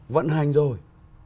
vận hành rồi